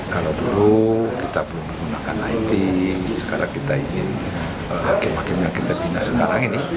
kalau dulu kita belum menggunakan it sekarang kita ingin hakim hakim yang kita bina sekarang ini